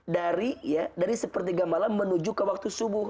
dari sepertiga malam menuju ke waktu subuh